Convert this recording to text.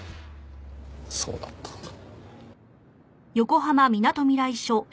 そうだったんだ。